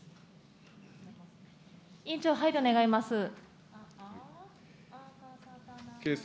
委員長、配慮願います。